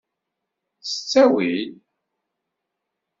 S ttwail!